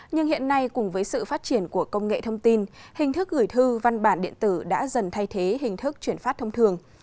nhưng hiện nay cùng với sự phát triển của công nghệ thông tin hình thức gửi thư văn bản điện tử đã dần thay thế hình thức chuyển phát thông thường